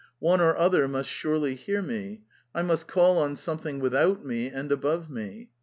" One or other must surely hear me. / must call on something without me and above me!